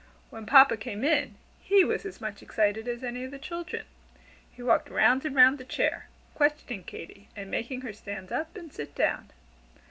When Papa came in, he was as much excited as any of the children. He walked round and round the chair, questioning Katy and making her stand up and sit down.